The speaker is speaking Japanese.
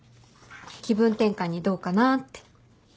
気分転換にどうかなって。